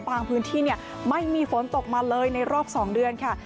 พื้นที่ไม่มีฝนตกมาเลยในรอบ๒เดือนค่ะ